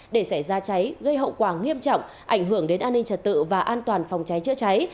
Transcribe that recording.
để xảy ra cháy gây hậu quả nghiêm trọng ảnh hưởng đến an ninh trật tự và an toàn phòng cháy chữa cháy